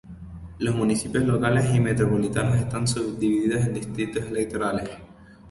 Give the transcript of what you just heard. Los municipios locales y metropolitanos están subdivididas en distritos electorales.